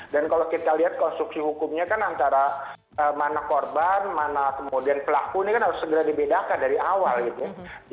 dan kalau kita lihat konstruksi hukumnya kan antara mana korban mana kemudian pelaku ini kan harus segera dibedakan dari awal gitu ya